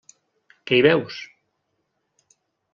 Què hi veus?